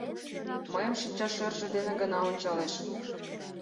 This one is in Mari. Мыйым шинча шӧржӧ дене гына ончалеш.